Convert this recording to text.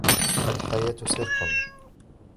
الحياة سيركٌ.